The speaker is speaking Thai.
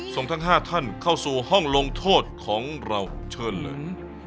ทั้ง๕ท่านเข้าสู่ห้องลงโทษของเราเชิญเลย